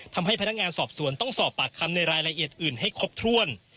ทำให้พนักงานสอบสวนต้องสอบปากคำในรายละเอียดอื่นให้ครบถ้วน